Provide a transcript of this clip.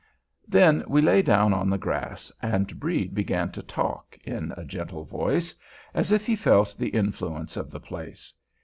Then we lay down on the grass, and Brede began to talk, in a gentle voice, as if he felt the influence of the place.